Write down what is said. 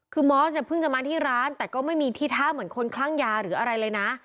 คือมอสเนี่ยเพิ่งจะมาที่ร้านแต่ก็ไม่มีที่ท่าเหมือนคนคลั่งยาหรืออะไรเลยนะ